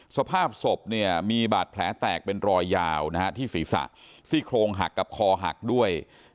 สภาพศพเนี่ยมีบาดแผลแตกเป็นรอยยาวที่ศีรษะซี่โครงหักกับคอหักด้วย